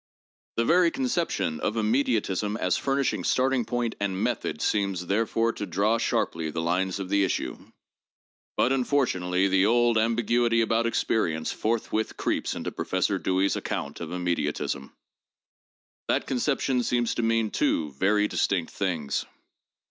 The very conception of immediatism as furnishing starting point and method seems therefore to draw sharply the lines of the issue. But unfortunately the old ambiguity about experience forthwith creeps into Professor Dewey's account of immediatism. That con ception seems to mean two very distinct things.